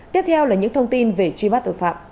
tiếp theo là những thông tin về truy bắt tội phạm